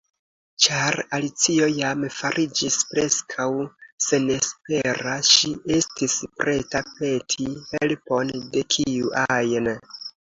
Ĉar Alicio jam fariĝis preskaŭ senespera, ŝi estis preta peti helpon de kiu ajn.